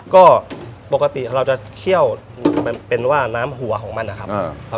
ก็ปกติเราจะเคี่ยวเป็นว่าน้ำหัวของมันนะครับ